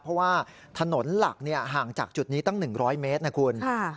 เพราะว่าถนนหลักห่างจากจุดนี้ตั้ง๑๐๐เมตรนะคุณ